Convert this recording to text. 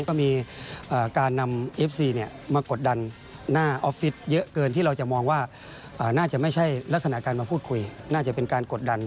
ก็มีการนำเอฟซีมากดดันหน้าออฟฟิศเยอะเกินที่เราจะมองว่าน่าจะไม่ใช่ลักษณะการมาพูดคุยน่าจะเป็นการกดดัน